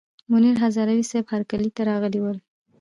منیر هزاروي صیب هرکلي ته راغلي ول.